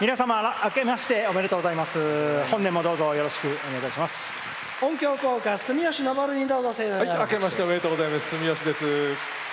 あけましておめでとうございます、住吉です。